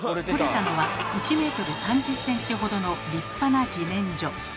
とれたのは１ｍ３０ｃｍほどの立派な自然薯。